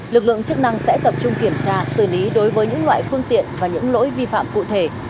lực lượng chức năng sẽ tập trung kiểm tra xử lý đối với những loại phương tiện và những lỗi vi phạm cụ thể